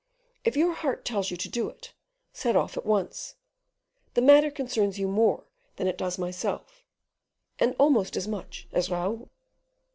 If your heart tells you to do it, set off at once; the matter concerns you more than it does myself, and almost as much as Raoul."